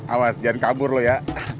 awas jangan kabur loh ya